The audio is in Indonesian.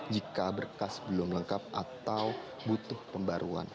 jika berkas belum lengkap atau butuh pembaruan